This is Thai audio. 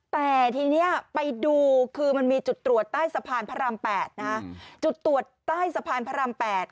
แต่ทีนี้ไปดูคือมันมีจุดตรวจใต้สะพานพระราม๘นะฮะจุดตรวจใต้สะพานพระราม๘